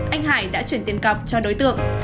anh hải đã chuyển tiêm cặp cho đối tượng